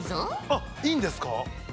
あっいいんですか？